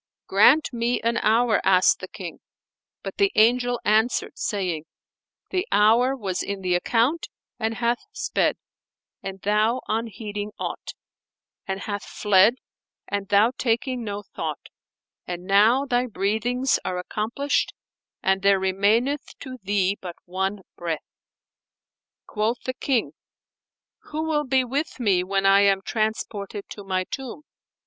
"Grant me an hour," asked the King; but the Angel answered saying, "The hour was in the account and hath sped, and thou unheeding aught; and hath fled, and thou taking no thought: and now thy breathings are accomplished, and there remaineth to thee but one breath." Quoth the King, "Who will be with me when I am transported to my tomb?"